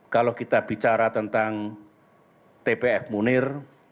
kalau kita bicara tentang tpf munir